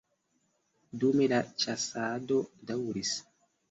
Dume la ĉasado daŭris.